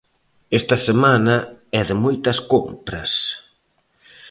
Esta semana é de moitas compras.